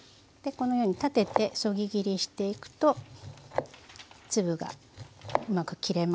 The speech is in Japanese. このように立ててそぎ切りしていくと粒がうまく切れますね。